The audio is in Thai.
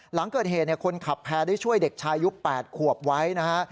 หลังเกิดเหตุคนขับแพร่ได้ช่วยเด็กชายุค๘ขวบไว้นะฮะ